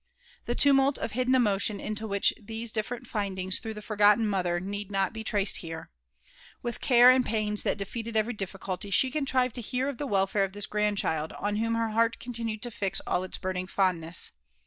The tumult of hidden emotion into which these different tidings threw the forgotten, mother need not be traced here. With. care and pains that defeated every difficulty, she contrived to hear, of the welfare of this grandchild, on whom her heart continued to fix all its. burning fondness.